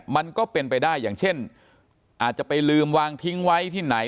มันก็เป็นไปได้อย่างเช่นอาจจะไปลืมวางทิ้งไว้ที่ไหน